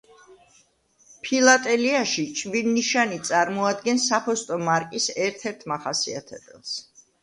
ფილატელიაში ჭვირნიშანი წარმოადგენს საფოსტო მარკის ერთ-ერთ მახასიათებელს.